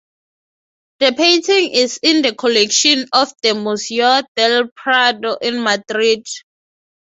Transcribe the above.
The painting is in the collection of the Museo del Prado in Madrid.